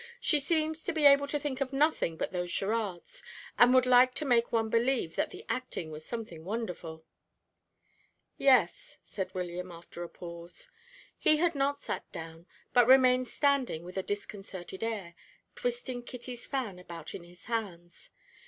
"She seems able to think of nothing but those charades, and would like to make one believe that the acting was something wonderful." "Yes," said William, after a pause. He had not sat down, but remained standing with a disconcerted air, twisting Kitty's fan about in his hands.